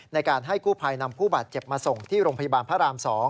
ในการให้กู้ภัยนำผู้บาดเจ็บมาส่งที่โรงพยาบาลพระราม๒